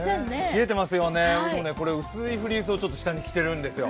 冷えていますよね、薄いフリースを下に着ているんですよ。